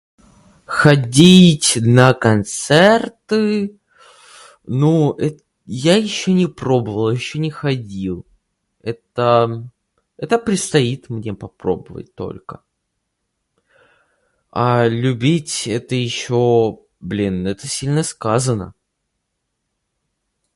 Ходить на концерты, ну, эт- я еще не пробывал я еще не ходил, это, это предстоит мне попробовать только. А любить это еще... Блин, это сильно сказано.